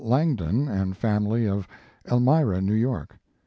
Langdon and family of Elmira, New York.